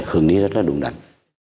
hướng đi rất là đúng đắn